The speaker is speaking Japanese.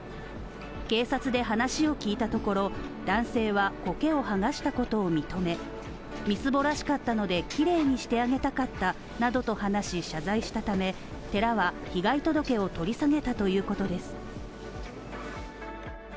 警察で話を聞いたところ、男性は、こけを剥がしたことを認め、みすぼらしかったのできれいにしてあげたかったなどと話し、謝罪したため寺は被害届を取り下げたということです。